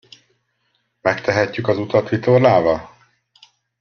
Megtehetjük az utat vitorlával?